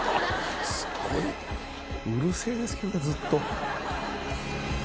うるせえですけどねずっと。